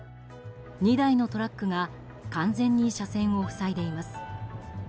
２台のトラックが完全に車線を塞いでいます。